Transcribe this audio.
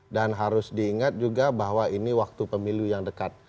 dan harus diingat juga bahwa ini waktu pemilu yang dekat